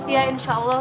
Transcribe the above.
ya insya allah